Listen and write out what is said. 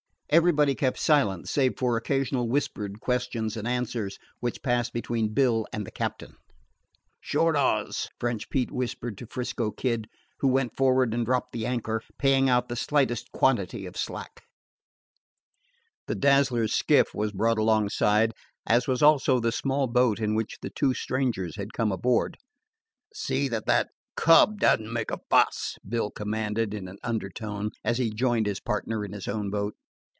Everybody kept silent, save for occasional whispered questions and answers which passed between Bill and the captain. Finally the sloop was run into the wind, and the jib and mainsail lowered cautiously. "Short hawse," French Pete whispered to 'Frisco Kid, who went for'ard and dropped the anchor, paying out the slightest quantity of slack. The Dazzler's skiff was brought alongside, as was also the small boat in which the two strangers had come aboard. "See that that cub don't make a fuss," Bill commanded in an undertone, as he joined his partner in his own boat.